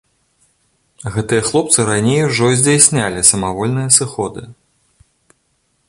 Гэтыя хлопцы раней ужо здзяйснялі самавольныя сыходы.